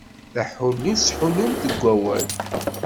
D aḥullu i ttḥullunt deg wawal.